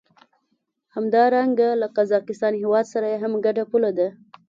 همدارنګه له قزاقستان هېواد سره یې هم ګډه پوله ده.